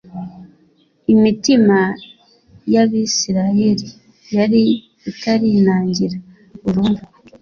imitima yAbisirayeli yari itarinangira burundu